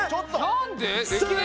何で？